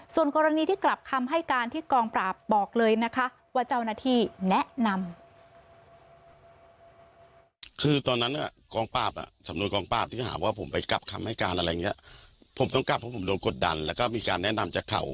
ส่วนกรณีที่กลับคำให้การที่กองปราบบอกเลยนะคะ